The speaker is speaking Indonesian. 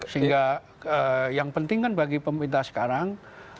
sehingga yang penting kan bagi pemerintah sekarang